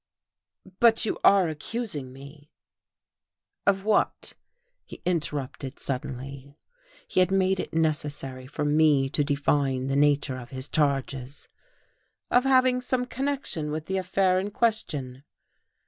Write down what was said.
"But you are accusing me " "Of what?" he interrupted suddenly. He had made it necessary for me to define the nature of his charges. "Of having had some connection with the affair in question."